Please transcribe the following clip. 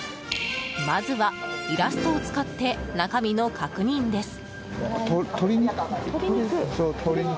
まずは、イラストを使って中身の確認です。